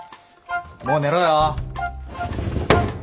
もう寝ろよ。